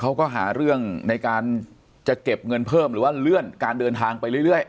เขาก็หาเรื่องในการจะเก็บเงินเพิ่มหรือว่าเลื่อนการเดินทางไปเรื่อย